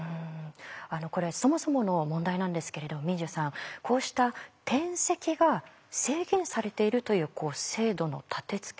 これそもそもの問題なんですけれど毛受さんこうした転籍が制限されているという制度の立てつけ